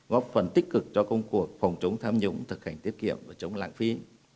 góp phần tích cực cho công cuộc phòng chống tham nhũng thực hành tiết kiệm và chống lãng phí